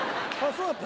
そうだった？